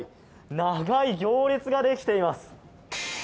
長い行列ができています。